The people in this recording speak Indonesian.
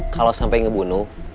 kalau sampai ngebunuh